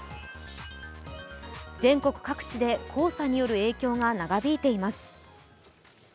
全国各地で黄砂による影響が長引いています。